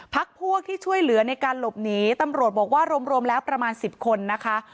พักพวกที่ช่วยเหลือในการหลบหนีตำรวจบอกว่ารวมแล้วประมาณ๑๐คนนะคะ